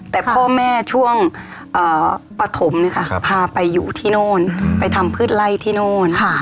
แต่พ่อแม่ช่วงปฐมพาไปอยู่ที่โน่นไปทำพืชไล่ที่โน่น